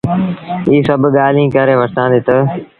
اي سڀ ڳآليٚنٚ ڪري وٺتآندي تا